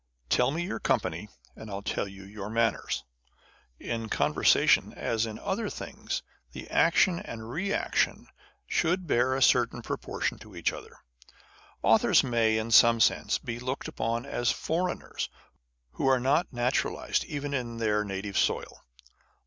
Tell me your company, and Til tell you your manners. In conversation, as in other things, the action and reaction should bear a certain proportion each sense, be looked On the Conversation of Authors. 55 upon as foreigners, who are not naturalized even in their native soil.